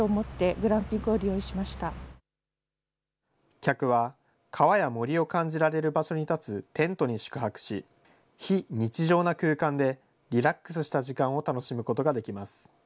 客は川や森を感じられる場所に立つテントに宿泊し、非日常な空間で、リラックスした時間を楽しむことができます。